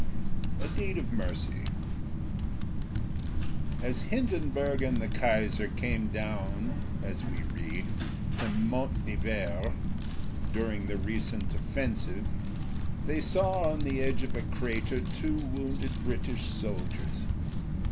A Deed of Mercy As Hindenburg and the Kaiser came down, as we read, from Mont d'Hiver, during the recent offensive, they saw on the edge of a crater two wounded British soldiers.